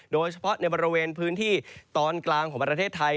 โดยเฉพาะในบริเวณพื้นที่ตอนกลางของประเทศไทย